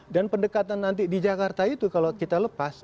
dan pendekatan nanti di jakarta itu kalau kita lepas